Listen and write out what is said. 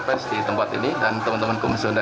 sampai jumpa di video selanjutnya